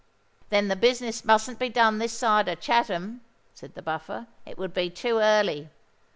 "Then the business mustn't be done this side of Chatham," said the Buffer: "it would be too early.